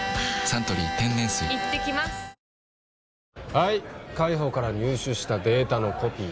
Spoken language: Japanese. はい海保から入手したデータのコピー